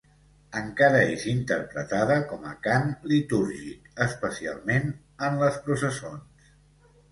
Encara és interpretada com a cant litúrgic, especialment en les processons.